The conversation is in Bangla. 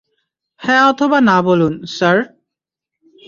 হ্যাঁ অথবা না বলুন, স্যার?